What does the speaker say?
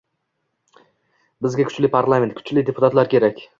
Bizga kuchli parlament, kuchli deputatlar kerak